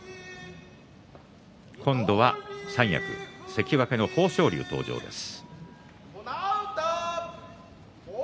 今度は三役関脇の豊昇龍登場です。